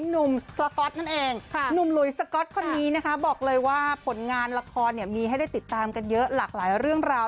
หนุ่มสก๊อตนั่นเองหนุ่มหลุยสก๊อตคนนี้นะคะบอกเลยว่าผลงานละครเนี่ยมีให้ได้ติดตามกันเยอะหลากหลายเรื่องราว